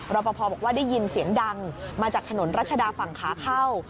ปภบอกว่าได้ยินเสียงดังมาจากถนนรัชดาฝั่งขาเข้า